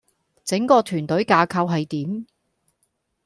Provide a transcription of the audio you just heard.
整個團隊架構係點?